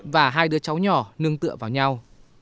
và hai đứa cháu nhỏ nương tựa vào nhau